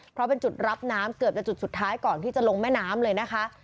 เพราะเป็นจุดรับน้ำเกือบจะจุดสุดท้ายก่อนที่จะลงแม่น้ำเลยนะคะ